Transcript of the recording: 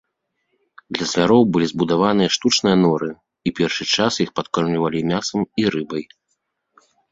Для звяроў былі збудаваныя штучныя норы, і першы час іх падкормлівалі мясам і рыбай.